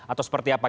atau seperti apa